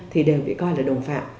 thì đều bị coi là đồng phạm